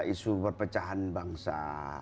isu perpecahan bangsa